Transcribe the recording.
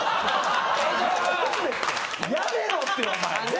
やめろってお前。